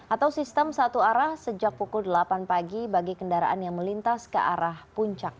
atau sistem satu arah sejak pukul delapan pagi bagi kendaraan yang melintas ke arah puncak